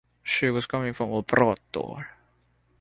She was coming from Oporto.